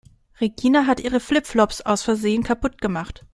Regina hat ihre Flip-Flops aus Versehen kaputt gemacht.